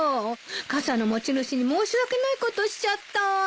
傘の持ち主に申し訳ないことしちゃったわ。